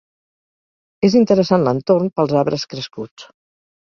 És interessant l'entorn pels arbres crescuts.